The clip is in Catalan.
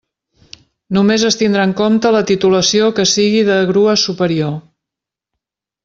Només es tindrà en compte la titulació que sigui de grua superior.